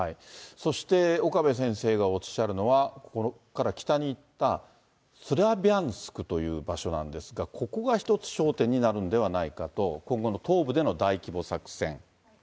そして、岡部先生がおっしゃるのは、ここから北に行った、スラビャンスクという街なんですが、場所なんですが、ここが一つ焦点になるんではないかと、今後の東部での大規模作戦。